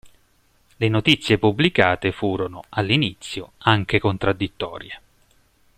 Le notizie pubblicate furono, all'inizio, anche contraddittorie.